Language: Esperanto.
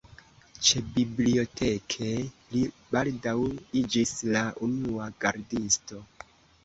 Ĉebiblioteke li baldaŭ iĝis la unua gardisto.